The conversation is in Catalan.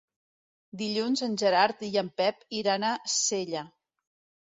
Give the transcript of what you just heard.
Dilluns en Gerard i en Pep iran a Sella.